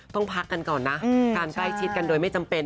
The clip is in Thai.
พักกันก่อนนะการใกล้ชิดกันโดยไม่จำเป็น